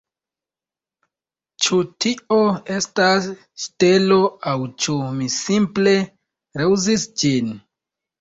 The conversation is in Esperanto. Ĉu tio estas ŝtelo aŭ ĉu mi simple reuzis ĝin